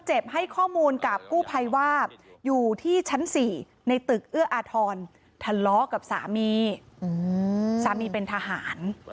ให้ข้อมูลกับกู้ภัยว่าอยู่ที่ชั้น๔ในตึกเอื้ออาทรทะเลาะกับสามีสามีเป็นทหาร